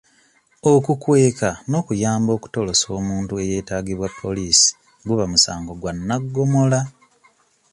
Okukweka n'okuyamba okutolosa omuntu eyeetaagibwa poliisi guba musango gwa naggomola.